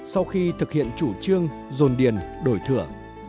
sau khi thực hiện chủ trương dồn điền đổi thửa